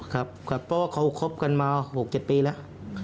ครับครับเพราะว่าเขาคบกันมา๖๗ปีแล้ว